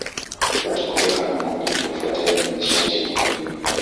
Watu kutoka makundi yafuatayo ni sharti kupimwa